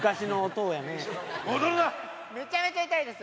めちゃめちゃ痛いです。